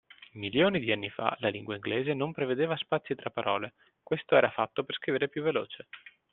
Milioni di anni fa, la lingua inglese non prevedeva spazi tra parole, questo era fatto per scrivere più veloce.